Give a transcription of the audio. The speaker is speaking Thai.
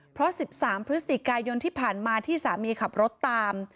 เพราะ๑๓พฤศจิกายนที่ผ่านมาที่สามีขับรถตาม